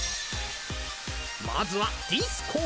まずはディスコウ！